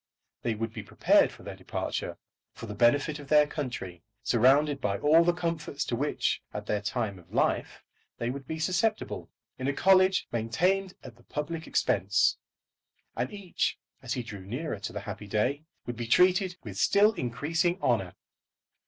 They would be prepared for their departure, for the benefit of their country, surrounded by all the comforts to which, at their time of life, they would be susceptible, in a college maintained at the public expense; and each, as he drew nearer to the happy day, would be treated with still increasing honour.